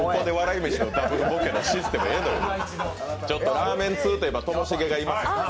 ラーメン通といえばともしげがいます。